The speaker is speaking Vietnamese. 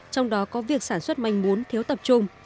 trong đó có việc sản xuất manh muốn thiếu tập trung